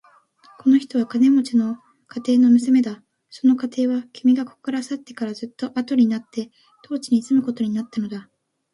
この人は金持の家庭の娘だ。その家庭は、君がここから去ってからずっとあとになって当地に住むことになったのだ。